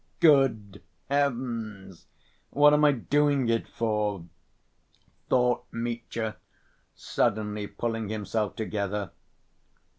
"Good heavens! what am I doing it for?" thought Mitya, suddenly pulling himself together.